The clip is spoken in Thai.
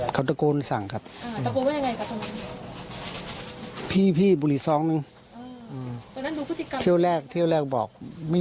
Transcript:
พี่บุหรี่พี่บุหรี่พี่บุหรี่พี่บุหรี่พี่บุหรี่